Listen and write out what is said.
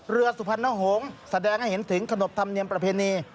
สุพรรณหงษ์แสดงให้เห็นถึงขนบธรรมเนียมประเพณี